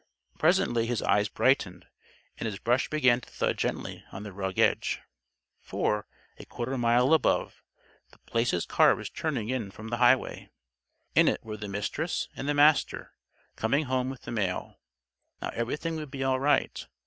Presently, his eyes brightened, and his brush began to thud gently on the rug edge. For, a quarter mile above, The Place's car was turning in from the highway. In it were the Mistress and the Master, coming home with the mail. Now everything would be all right.